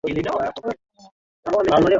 Kilomita elfu nne na mia mbili na